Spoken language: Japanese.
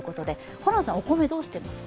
ホランさん、お米どうしていますか？